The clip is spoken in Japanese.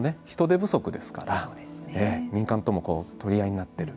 どこも人手不足ですから民間とも取り合いになっている。